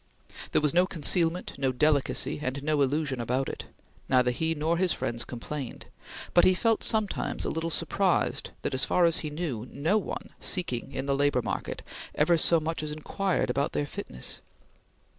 There was no concealment, no delicacy, and no illusion about it. Neither he nor his friends complained; but he felt sometimes a little surprised that, as far as he knew, no one, seeking in the labor market, ever so much as inquired about their fitness.